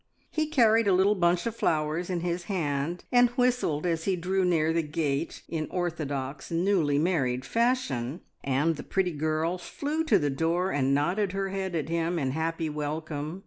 He carried a little bunch of flowers in his hand, and whistled as he drew near the gate in orthodox, newly married fashion, and the pretty girl flew to the door, and nodded her head at him in happy welcome.